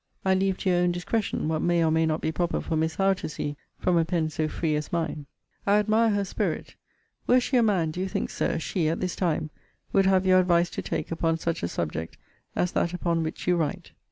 I leave to your own discretion, what may or may not be proper for Miss Howe to see from a pen so free as mine. I admire her spirit. Were she a man, do you think, Sir, she, at this time, would have your advice to take upon such a subject as that upon which you write?